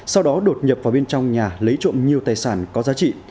sau đó đột nhập vào bên trong nhà lấy trộm nhiều tài sản có giá trị